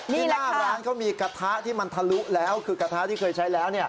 นี่หน้าร้านเขามีกระทะที่มันทะลุแล้วคือกระทะที่เคยใช้แล้ว